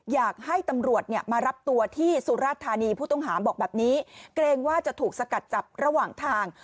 อยากให้ตำรวจเนี่ยมารับตัวที่สุราธานีผู้ต้องหาบอกแบบนี้เกรงว่าจะถูกสกัดจับระหว่างทาง